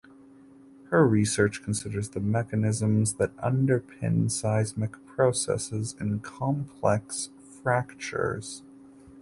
Her research considers the mechanisms that underpin seismic processes in complex fractures.